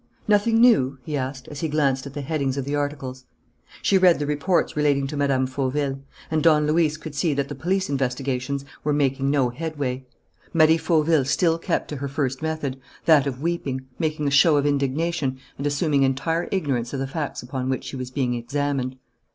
"Nothing new?" he asked, as he glanced at the headings of the articles. She read the reports relating to Mme. Fauville; and Don Luis could see that the police investigations were making no headway. Marie Fauville still kept to her first method, that of weeping, making a show of indignation, and assuming entire ignorance of the facts upon which she was being examined.